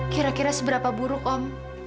kira kira seberapa buruk om